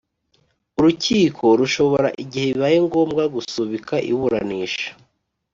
Urukiko rushobora igihe bibaye ngombwa gusubika iburanisha